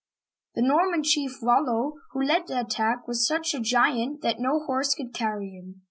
The Norman chief, Rol'lo, who led the attack, was such a giant that no horse could carry him.